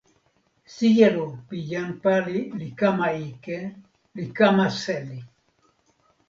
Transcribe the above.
sijelo pi jan pali li kama ike, li kama seli.